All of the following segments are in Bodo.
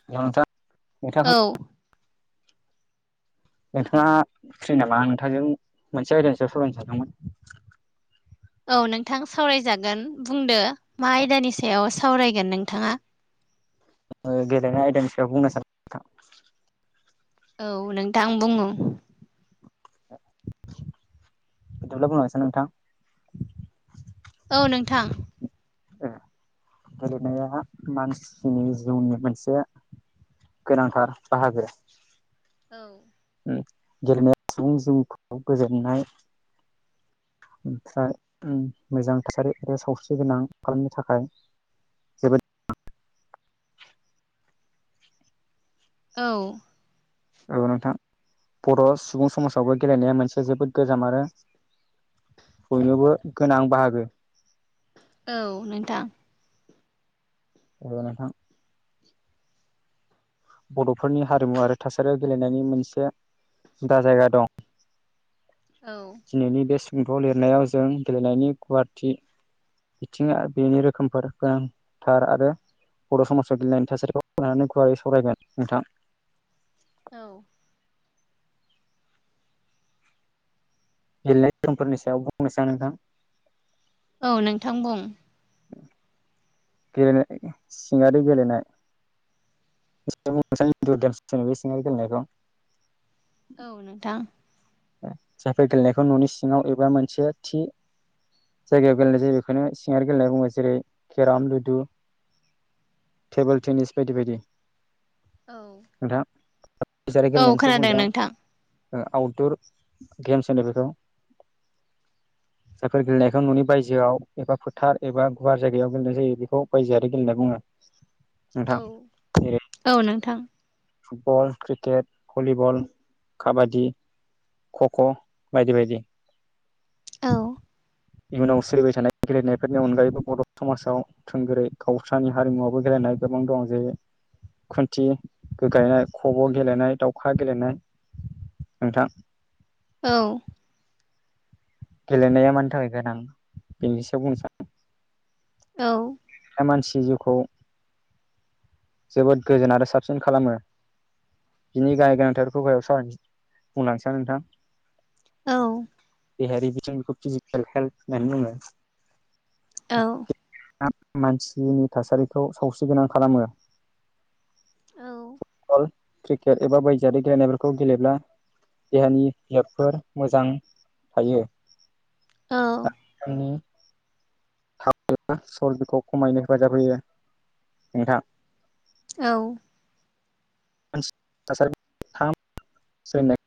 [unintelligible] औ नोंथाङा फ्रि नामा नोंथांजों मोनसे आयदानि सायाव सावरायनो सानदोंमोन। औ नोंथां सावरायजागोन बुंदो मा आयदानि सायाव सावरायगोन नोंथाङा? ओ गेलेनाय आइदानि सायाव बुंनो सान [unintelligible] औ नोंथां बुङो। [unintelligible] नोंथां औ नोंथां गेलेनाया मानसिनि जिउनि मोनसे गोनांथार बाहागो औ ओ गेलेनाया सुबुं जिउखौ गोजोन्नाय ओमफ्राय ओम मोजां थासारि बे सावस्रि गोनां खालामनो थाखाय जोबोद औ। औ नोंथां, बड' सुबुं समाजावबो गेलेनाया मोनसे जोबोद गोजाम आरो बयनोबो गोनां बाहागो औ नोंथां ओ नोंथां बर'फोरनि हारिमु आरो थासारि गेलेनायनि मोनसे जुदा जायगा दं। औ दिनैनि बे सुंद' लिरनायाव जों गेलेनायनि खुवाटि बिथिंङा बेनि रोखोमफोर गोनां थार आरो बर' समाजाव गेलेनायनि थासारिखौ‌ [inaudible] गुवारै सावरायगोन नोंथां। औ गेलेनाय [inaudible] नोंथां औ नोंथां बुं। [inaudible] गेलेनाय सिंङारि गेलेनाय, [inaudible] सिंङारि गेलेनायखौ औ नोंथां जायफोर गेलेनायखौ न'नि सिंङाव एबा मोनसे थि, जायगायाव गेलेनाय जायो बेखोनो सिंङारि गेलेनाय बुंङो जेरै केर'म, लुदु, टेबोल टेनिस बायदि बायदि औ नोंथां [inaudible] औ गेलेनायनि सायाव खोनादों बुंनोसै नोंथां ओ आउटदुर गेम्स होनो बेखौ [inaudible] जायफोर गेलेनायखौ न'नि बायजोआव एबा फोथार एबा गुवार जायगायाव गेलेनाय जायो बेखौ बायजोआरि गेलेनाय बुंङो, [inaudible] नोंथां औ नोंथां football, cricket, volleyball, kabaddi, kho kho बायदि बायदि औ इयुनाव सोलिबाय थानाय गेलेनायफोरनि अनगायैबो बर' समाजाव थोंगोरै गावस्रानि हारिमुआवबो गेलेनाय गोबां दं जे खुन्थि गो-गायनाय खब' गेलेनाय दावखा गेलेनाय नोंथां औ गेलेनाया मानि थाखाय गोनां बेनिसायाव बुंनो सै आं औ दा मानसि जिउखौ जोबोद गोजोन आरो साबसिन खालामो, बिनि गाहाय गोनांथार गायाव सावराय बुंलांसै नोंथां औ देहायारि बिथिंखौ फिजिकेल हेल होननानै बुंङो, औ आ मानसिनि थासारिखौ सावस्रिगोनां खालामो। औ फुटबल क्रिकेट एबा बायजोआरारि गेलेनायफोरखौ गेलेब्ला देहानि बियाबफोर मोजां थायो। औ [unintelligible] खमायनायाव हेफाजाब होयो नोंथां औ थासारि थाम सैनाय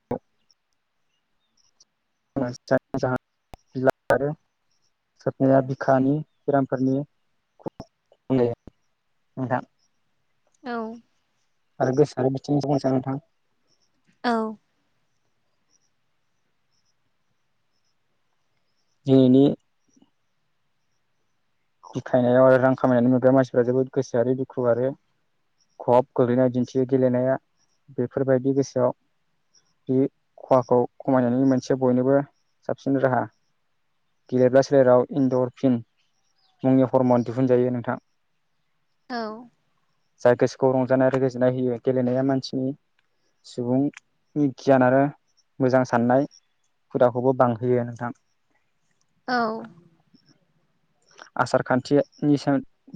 [inaudible] आरो सारनाया बिखानि बेरामफोरनि [unintelligible] नोंथां औ [unintelligible] औ दिनिनि फथायनायाव आरो रां खामायनानै नुग्रा मानसिफ्रा जोबोद गोसोआ आरो दुखु आरो खब गोग्लैनाय दिन्थियो गेलेनाया बेफोरबायदि गोसोआव बे खहाखौ खमायनायनि मोनसे बयनोबो साबसिन राहा गेलेब्ला सोलेराव इन्दर फिन मुंनि फर्मन दिहुनजायो नोंथां औ जाय गोसोखौ रंजानाय आरो गोजोननाय होयो गेलेनाया मानसिनि सुबुंनि गियान आरो मोजां साननाय हुदाखौबो बांहोयो नोंथां। औ आसार खान्थिनि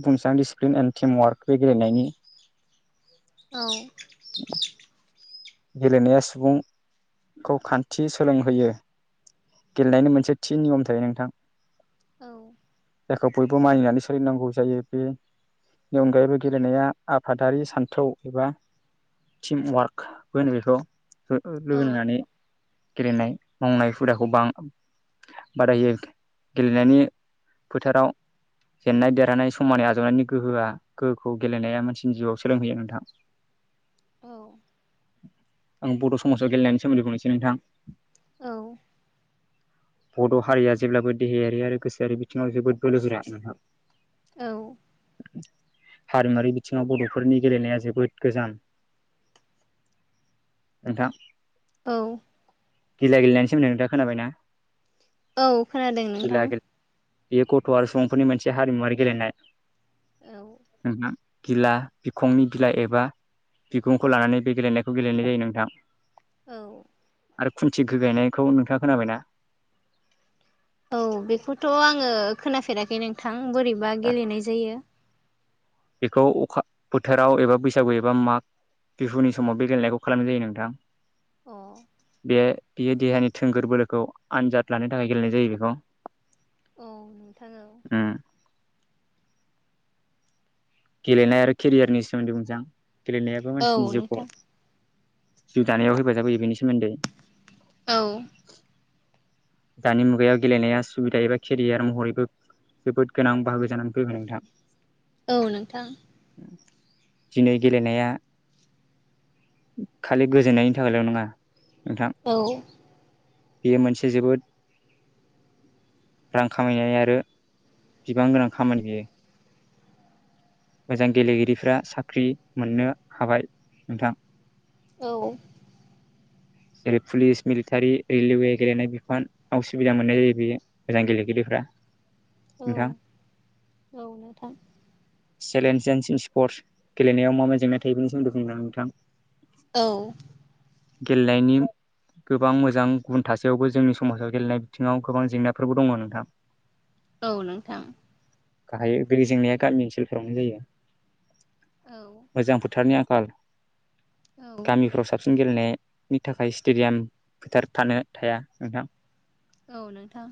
बुंसां दिडिसिप्लिन एन्ड टिम वार्क बे गेलेनायनि औ गेलेनाया सुबुंखौ खान्थि सोलोंहोयो। गेलेनायनि मोनसे थि नियम थायो नोंथां। औ जायखौ बयबो मानिनानै सोलिनांगौ जायो बे नि अनगायैबो गेलेनाया आफादारि सान्थौ एबा टिमवार्क होनो बेखौ लोगो नांनानै गेलेनाय मावनाय हुदाखौ बां बादायो गेलेनायनि फोथाराव जेननाय देरहानाय समानै आजावनायनि गोहोआ गोहोखौ गेलेनाया मानसिनि जिउआव सोलोंहोयो नोंथां। औ आं बड' समाजाव गेलेनायनि सोमोन्दै बुंनोसै नोंथां। औ बड' हारिया जेब्लाबो देहायारि आरो गोसोआरि बिथिङाव जोबोद बोलो गोरा नोंथां। औ हारिमुवारि बिथिङाव बर'फोरनि गेलेनाया जोबोद गोजाम नोंथां औ गिला गेलनायनि सोमोन्दै नोंथां खोनाबायना? औ खोनादों गिला नोंथां। गेले बेयो गथ' आरो सुबुंफोरनि मोनसे हारिमुवारि गेलेनाय। औ नोंथां गिला बिखंनि गिला एबा बिगुंखौ लानानै बे गेलेनायखौ गेलेनाय जायो नोंथां। औ आरो खुन्थि गोगायनायखौ नोंथाङा खोनाबाय ना? औ बेखौथ' आङो खोनाफेराखै नोंथां बोरैबा गेलेनाय जायो? बेखौ अखा बोथोराव एबा बैसागु एबा माग बिहुनि समाव बे गेलेनायखौ खालामनाय जायो नोंथां। अह बे बियो देहानि थोंगोर बोलोखौ आनजाद लानो थाखाय गेलेनाय जायो बेखौ। औ नोंथां औ। उम गेलेनाय आरो केरियारनि सोमोन्दै मोजां गेलेनायाबो औ मानसिनि जिउखौ नोंथां जिउ दानायाव हेफाजाब होयो बेनि सोमोन्दै औ दानि मुगायाव गेलेनाया सुबिदा एबा केरियार महरैबो जोबोद गोनां बाहागो जानानै फैबाय नोंथां औ नोंथां दिनै गेलेनाया खालि गोजोननायनि थाखायल' नङा नोंथां औ बेयो मोनसे जोबोद रां खामायनाय आरो बिबां गोनां खामानि बियो मोजां गेलेगिरिफ्रा साख्रि मोननो हाबाय नोंथां औ जेरै पुलिस मिलिटारि रेलवे गेलेनाय बिफान असुबिदा मोननाय जायो बेयो मोजां गेलेगिरिफ्रा औ नोंथां औ नोंथां चेलेन्जेनसिम स्पर्टस गेलेनायाव मा मा जेंना थायो बेनि सोन्दैदों नोंथां औ गेलेनायनि गोबां मोजां गुबुन थासेयावबो जोंनि समाजाव गेलेनाय बिथिङाव गोबां जेंनाफोरबो दङ नोंथां औ नोंथां गाहायै बे जेंनाया गामि ओनसोलफोरावनो जायो औ मोजां फोथारनि आंखाल गामिफ्राव साबसिन गेलेनाय नि थाखाय स्टेडियाम गोथार थानो थाया नोंथां औ नोंथां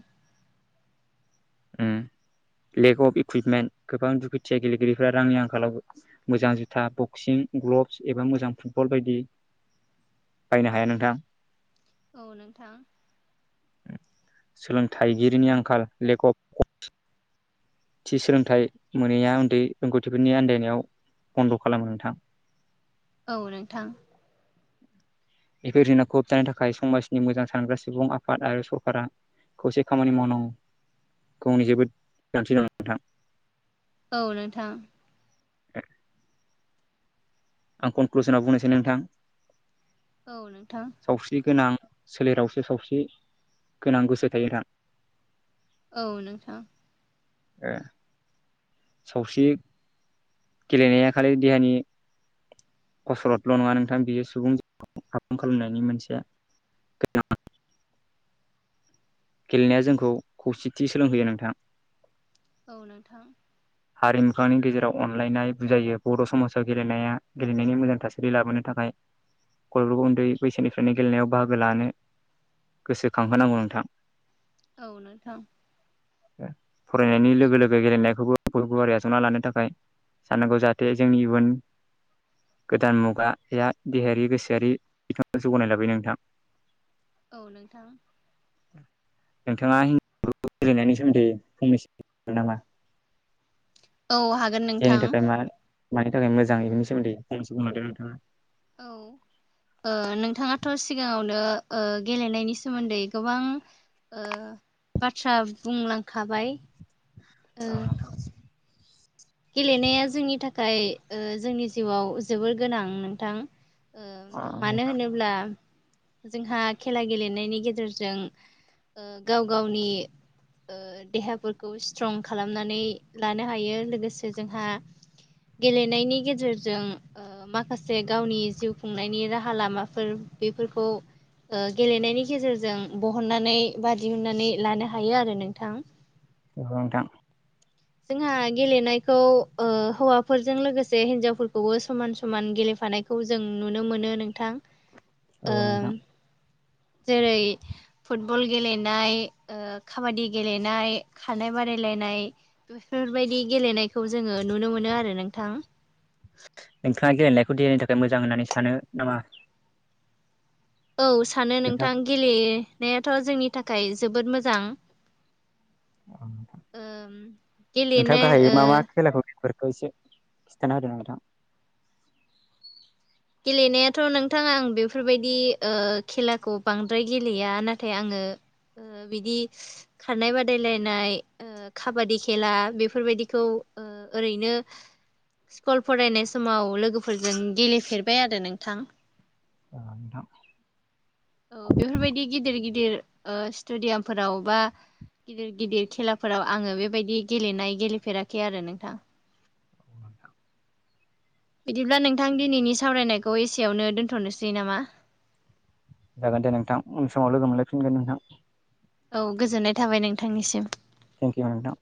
[inaudible] लेक अफ इकुइपमेन्ट गोबां दुखुथिया गेलेगिरिफोरा रांनि आंखालावबो मोजां जुथा बक्सिं ग्लब्स एबा मोजां फुटबल बायदि बायनो हाया नोंथां औ नोंथां सोलोंथाइगिरिनि आंखाल लेखक थि सोलोंथाइ मोनैया उन्दै रोंगौथिफोरनि आनन्दायनायाव बन्द' खालामो नोंथां औ नोंथां बेफोर जेंनाखौ होबथानो थाखाय समाजनि मोजां सानग्रा सुबुं आफाद आरो सरकारा खौसे खामानि मावनांगौनि जोबोद गोनांथि दं नोंथां औ नोंथां आं कनक्लुसनाव बुंनोसै नोंथां औ नोंथां सावस्रि गोनां सोलेरावसो सावस्रि गोनां गोसो थायो दां औ नोंथां सावस्रि गेलेनाया खालि देहानि कसथल' नङा नोंथां बियो सुबुं हुं खालामनायनि मोनसे गोनां गेलेनाया जोंखौ खौसेथि सोलोंहोयो नोंथां औ नोंथां हारिमुफनि गेजेराव अनलायनाय बुजायो बर' समाजाव गेलेनाया गेलेनायनि मोजां थासारि लाबोनो थाखाय गथ'फोरखौ उन्दै बैसोनिफ्रायनो गेलेनायाव बाहागो लानो गोसोखांहोनांगौ नोंथां औ नोंथां फरायनायनि लोगो लोगो गेलेनायखौबो बय गवारिया आजावना लानो थाखाय साननांगौ जाहाथे जोंनि इयुन गोदान मुगाया देहायारि गोसोआारि बिथाङा जौगानाय लाबोयो नोंथां औ नोंथां। नोंथाङा हिजाव गेलेनायनि सोमोन्दै फंनैसो फोरमायनो नामा। औ हा जायनि थाखाय मा मानि थाखाय मोजां इनि सोमोन्दै इसे बुंदों नोंथाङा। औ ओ नोंथाङाथ' सिगाङावनो गेलेनायनि सोमोन्दै गोबां बाथ्रा बुंलांखाबाय ओ अ नोंथां। गेलेनाया जोंनि थाखाय ओ जोंनि जिउआव जोबोर गोनां नोंथां। ओ मानो नंगौ होनोब्ला जोंहा खेला गेलेनायनि गेजेरजों ओ गाव गावनि देहाफोरखौ स्ट्रं खालामनानै लानो हायो लोगोसे जोंहा गेलेनायनि गेजेरजों ओ माखासे गावनि जिउ खुंनायनि राहा लामाफोर बेफोरखौ ओ गेलेनायनि गेजेरजों बहननानै बा दिहुनन्नानै लानो हायो आरो नोंथां। नोंगौ नोंथां। जोंहा गेलेनायखौ ओ हौवाफोरजों लोगोसे हिन्जावफोरखौबो समान समान गेलेफानाय खौ जों नुनो मोनो नोंथां ओ औ नोंथां जेरै फुटबल गेलेनाय ओ काबादि गेलेनाय खारनाय बादायलायनाय बेफोरबायदि गेलेनायखौ जोङो नुनो मोनो आरो नोंथां। नोंथाङा गेलेनायखौ देहानि थाखाय मोजां होननानै सानो नामा? औ सानो नोंथां गेलेनायाथ' जोंनि थाखाय जोबोद मोजां। ओम गेलेनो ओ फोरखौ इसे खिथाना होदो नोंथां। गेलेनायाथ' नोंथाङा आं बेफोरबायदि ओ खेलाखौ बांद्राय गेलेया नाथाय आङो बिदि खारनाय बादायलायनाय खाबादि खेला बेफोरबायदिखौ ओ ओरैनो स्कुल फरायनाय समाव लोगोफोरजों गेलेफेरबाय आरो नोंथां। अ नोंथां। औ बेफोरबायदि गिदिर गिदिर ओ स्टुडियामफोराव बा गिदिर गिदिर खेलाफोराव आङो बेबायदि गेलेनाय गेलेफेराखै आरो नोंथां। [inaudible] बिदिब्ला नोंथां दिनैनि सावरायनायखौ एसेयावनो दोन्थ'नोसै नामा। जागोन दे नोंथां उन समाव लोगो मोनलाय फिनगोन नोंथां। औ गोजोननाय थाबाय नोंथांनिसिम। थेंक इउ नोंथां।